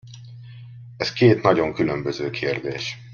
Ez két nagyon különböző kérdés.